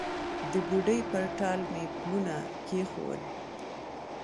د بوډۍ پر ټال مې پلونه کښېښول